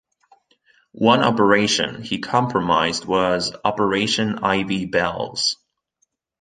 One operation he compromised was Operation Ivy Bells.